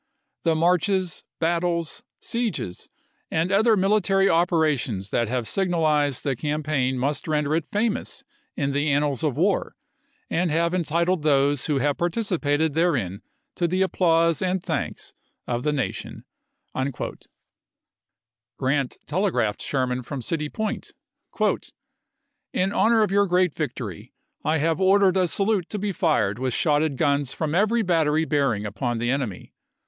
The marches, battles, Report sieges5 an(i other military operations that have oSS signalized the campaign must render it famous in ofit865 66ar' the annals of war, and have entitled those who menlr have participated therein to the applause and P.°i9i'.' thanks of the nation." Grant telegraphed Sherman from City Point, " In honor of your great victory, I have ordered a salute to be fired with shotted guns from every battery bearing upon the enemy.